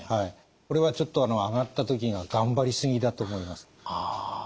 これはちょっと上がった時が頑張り過ぎだと思います。